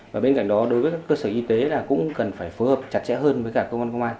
và bên cạnh đó đối với các cơ sở y tế là cũng cần phải phối hợp chặt chẽ hơn với cả cơ quan công an